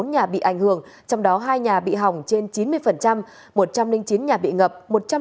hai trăm một mươi bốn nhà bị ảnh hưởng trong đó hai nhà bị hỏng trên chín mươi một trăm linh chín nhà bị ngập